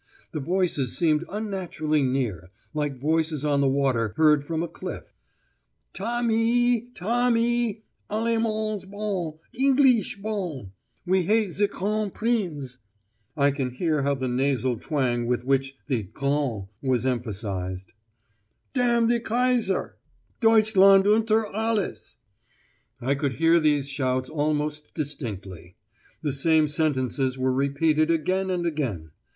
The voices seemed unnaturally near, like voices on the water heard from a cliff. 'Tommee Tommee. Allemands bon Engleesh bon.' 'We hate ze _Kron_prinz.' (I can hear now the nasal twang with which the 'Kron' was emphasised.) 'D the Kaiser.' 'Deutschland unter Alles.' I could hear these shouts most distinctly: the same sentences were repeated again and again.